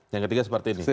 yang ketiga seperti ini